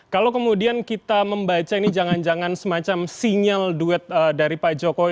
kalau kemudian kita membaca ini jangan jangan semacam sinyal duet dari pak jokowi